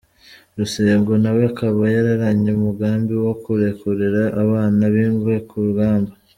Rusengo nawe akaba yararanye umugambi wo kurekurira Abana b’Ingwe ku rugamba.